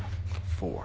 おい！